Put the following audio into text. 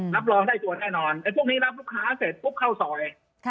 รับรองได้ตัวแน่นอนไอ้พวกนี้รับลูกค้าเสร็จปุ๊บเข้าซอย